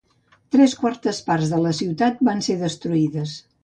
Tres quartes parts de la ciutat van ser destruïdes.